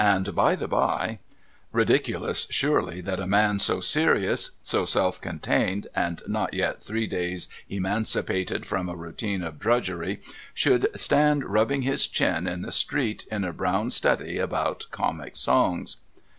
' And by the bye ' Ridiculous, surely, that a man so serious, so self contained, and not yet tlirec days emancipated from a routine of drudgery, should stand rubbing his chin in the street, in a brown study about Comic Songs.